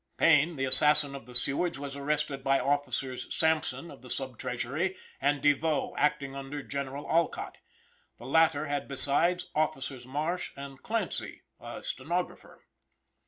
Payne, the assassin of the Sewards, was arrested by Officers, Sampson, of the sub treasury, and Devoe, acting under General Alcott. The latter had besides, Officers Marsh and Clancy (a stenographer).